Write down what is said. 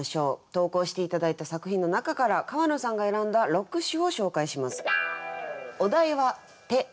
投稿して頂いた作品の中から川野さんが選んだ６首を紹介します。